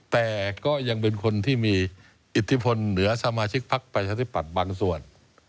แต่ก็ยังเป็นคนที่มีอิทธิพลเหนือสมาชิกพักประชาธิปัตย์บางส่วน